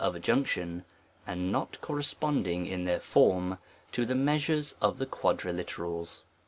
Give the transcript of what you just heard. of adjunction, and not corresponding in their form to the measures of the quadriliterals.